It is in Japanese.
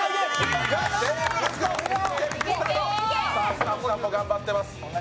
スタッフさんも頑張っております。